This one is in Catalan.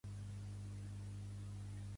Es pot traslladar a Umm Qasr.